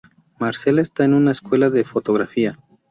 Marcela está en una escuela de fotografía.